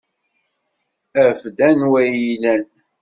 Af-d anwa ay iyi-ilan.